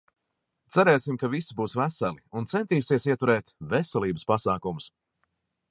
Cerēsim ka visi būs veseli, un centīsies ieturēt veselības pasākumus.